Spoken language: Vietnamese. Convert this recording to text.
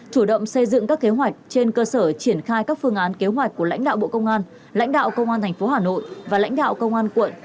chủ động xây dựng các kế hoạch trên cơ sở triển khai các phương án kế hoạch của lãnh đạo bộ công an lãnh đạo công an tp hà nội và lãnh đạo công an quận